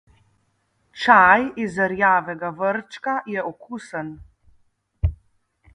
Čaj iz rjavega vrčka je okusen.